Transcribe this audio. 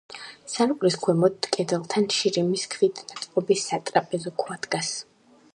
სარკმლის ქვემოთ კედელთან შირიმის ქვით ნაწყობი სატრაპეზო ქვა დგას.